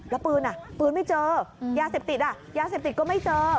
แล้วปืนอ่ะปืนไม่เจอยาเสพติดอ่ะยาเสพติดก็ไม่เจอ